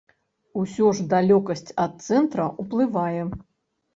Усё ж далёкасць ад цэнтра ўплывае.